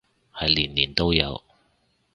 係年年都有